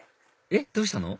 えっどうしたの？